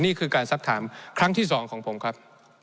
นี่คือการซักถามครั้งที่๒ของผมครับ